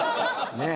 ねえ。